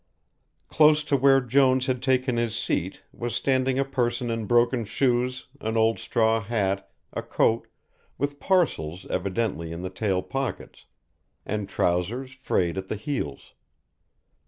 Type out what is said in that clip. Close to where Jones had taken his seat was standing a person in broken shoes, an old straw hat, a coat, with parcels evidently in the tail pockets, and trousers frayed at the heels.